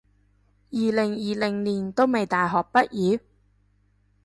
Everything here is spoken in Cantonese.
二零二零年都未大學畢業？